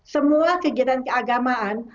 semua kegiatan keagamaan